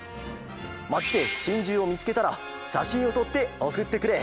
まちでチンジューをみつけたらしゃしんをとっておくってくれ。